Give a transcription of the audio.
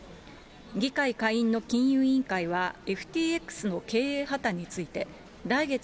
議会下院の金融委員会は、ＦＴＸの経営破綻について、来月、